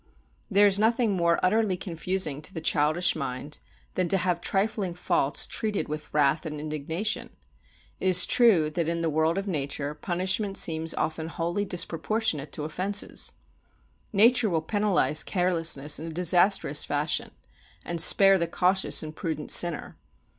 There is nothing more utterly confusing to the childish mind than to have trifling faults treated with wrath and indignation. It is true that, in the world of nature, punishment seems often wholly disproportionate to offences. Nature will penalise carelessness in a disastrous fashion, and spare the cautious and prudent sinner.